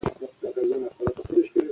د اوښکو د پاکولو لپاره مالي مرسته پکار ده.